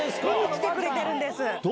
来てくれてるんです。